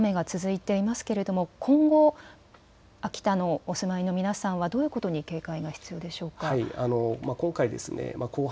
今も雨が続いていますけど今後、秋田にお住まいの皆さんはどういうことに警戒が必要でしょうか。